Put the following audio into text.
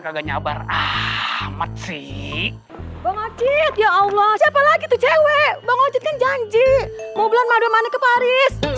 kagak nyabar amat sih banget ya allah siapa lagi tuh cewek banget kan janji